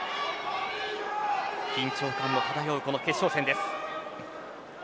緊張感の漂う決勝戦です。